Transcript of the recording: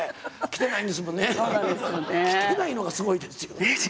来てないのがすごいですよね。